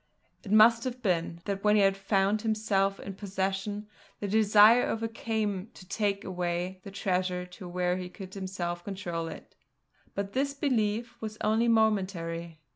It must have been, that when he found himself in possession, the desire overcame him to take away the treasure to where he could himself control it. But this belief was only momentary.